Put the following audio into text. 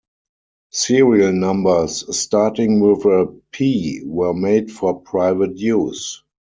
Serial numbers starting with a P were made for private use.